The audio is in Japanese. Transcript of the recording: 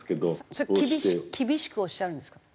それ厳しくおっしゃるんですか？